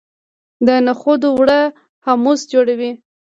د نخودو اوړه هومس جوړوي.